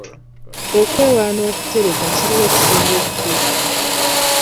Okwewola n'okutereka, kiri wa ekisinga obukulu?